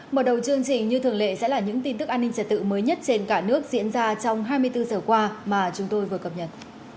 mở đầu chương trình như thường lệ sẽ là những tin tức an ninh trật tự mới nhất trên cả nước diễn ra trong hai mươi bốn giờ qua mà chúng tôi vừa cập nhật